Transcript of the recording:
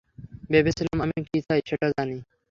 ভেবেছিলাম, আমি কি চাই সেটা জানি!